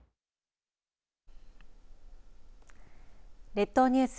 列島ニュース